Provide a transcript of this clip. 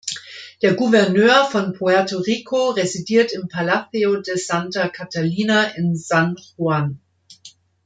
Der Gouverneur von Puerto Rico residiert im Palacio de Santa Catalina in San Juan.